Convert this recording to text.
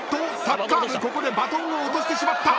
サッカー部ここでバトンを落としてしまった。